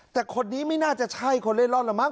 แต่คนนี้ไม่น่าจะใช่คนเร่ร่อนหรือเปล่า